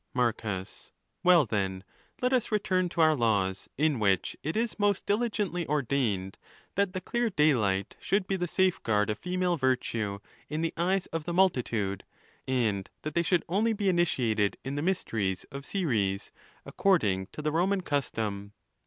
: XV. Marcus.—Well, then, let us return to our laws, in which it is most diligently ordained that the clear daylight should be the safeguard of female virtue in the eyes of the multitude ; and that they should only be initiated in the mysteries of Ceres, according to the Roman custom.